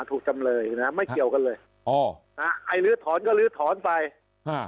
ถูกจำเลยนะฮะไม่เกี่ยวกันเลยอ๋อนะฮะไอ้ลื้อถอนก็ลื้อถอนไปอ่า